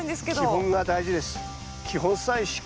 基本が大事です。